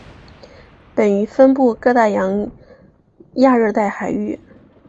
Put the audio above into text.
本鱼分布各大洋亚热带海域。